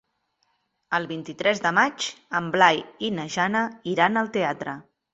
El vint-i-tres de maig en Blai i na Jana iran al teatre.